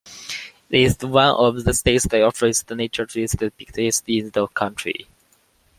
It is one of the six official naturist beaches in the country.